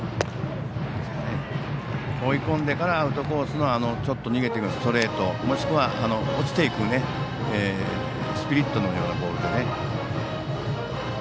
追い込んでからアウトコースのちょっと逃げていくストレート、もしくは落ちていくスプリットのようなボールで。